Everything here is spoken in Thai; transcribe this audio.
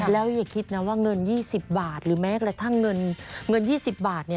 แล้วอย่าคิดนะว่าเงิน๒๐บาทหรือแม้กระทั่งเงิน๒๐บาท